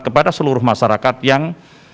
kepada seluruh masyarakat yang